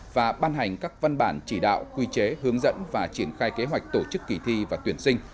và ban hành các văn bản chỉ đạo quy chế hướng dẫn và triển khai kế hoạch tổ chức kỳ thi và tuyển sinh